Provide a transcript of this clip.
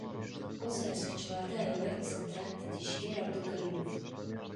Бул саякатчыларды аябай кызыктырат, — деди ишкер Абдукаримов.